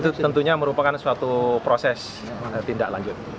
itu tentunya merupakan suatu proses tindak lanjut